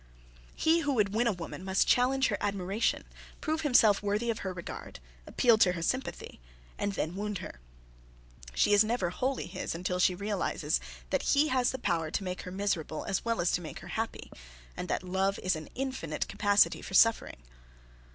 He who would win a woman must challenge her admiration, prove himself worthy of her regard, appeal to her sympathy and then wound her. She is never wholly his until she realises that he has the power to make her miserable as well as to make her happy, and that love is an infinite capacity for suffering.